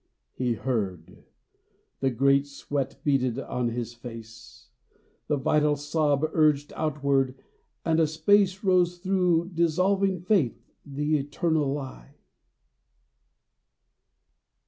" He heard : the great sweat beaded on His face, The vital sob urged ontward, and a space Rose through dissolving faith the Eternal Lie